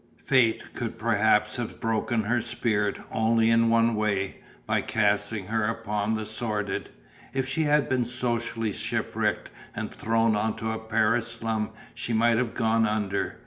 Fate could perhaps have broken her spirit only in one way, by casting her upon the sordid. If she had been socially shipwrecked and thrown onto a Paris slum she might have gone under.